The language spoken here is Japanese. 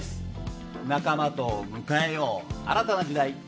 仲間と迎えよう新たな時代！